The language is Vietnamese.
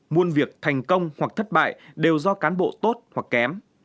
muôn việc thành công hoặc thất bại đều do cán bộ tốt hoặc kém